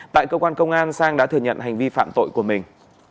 tại cơ quan công an sang đã thừa nhận hành vi phạm tội của mình